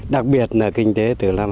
đặc biệt là kinh tế từ năm hai nghìn